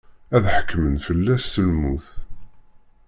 Ad ḥekkmen fell-as s lmut.